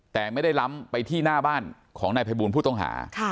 แต่ไม่ได้ล้ำไปที่หน้าบ้านของนายภัยบูลผู้ต้องหา